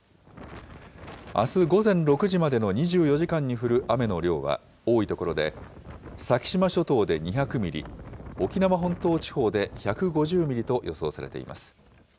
あす午前６時までの２４時間に降る雨の量は多い所で、先島諸島で２００ミリ、沖縄本島地方で１５０ミリと予想されています。